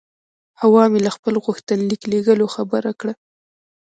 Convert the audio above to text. حوا مې له خپل غوښتنلیک لېږلو خبره کړه.